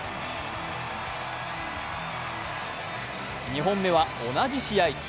２本目は同じ試合。